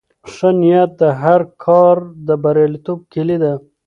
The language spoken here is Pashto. ښه نیت د هر کار د بریالیتوب کیلي ده.